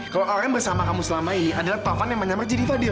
kalau orang yang bersama kamu selama ini adalah taufan yang menyamar jadi fadli